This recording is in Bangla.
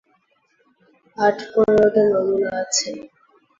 আট-পনেরোটা নমুনা আছে।